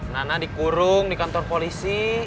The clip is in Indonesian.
nana dikurung di kantor polisi